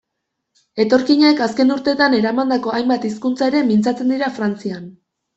Etorkinek azken urteetan eramandako hainbat hizkuntza ere mintzatzen dira Frantzian.